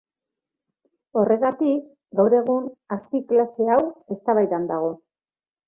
Horregatik, gaur egun azpiklase hau eztabaidan dago.